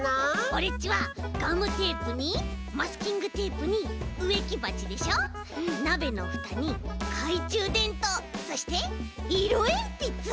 オレっちはガムテープにマスキングテープにうえきばちでしょなべのふたにかいちゅうでんとうそしていろえんぴつ！